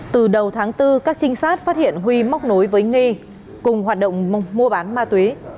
từ đầu tháng bốn các trinh sát phát hiện huy móc nối với nghi cùng hoạt động mua bán ma túy